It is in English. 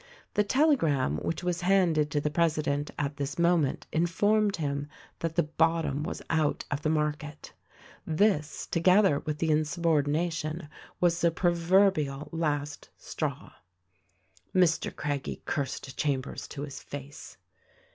The telegram which was handed to the president at this moment informed him that the bottom was out of the market. This, together with the insubordination, was the proverbial last straw. Mr. Craggie cursed Chambers to his face.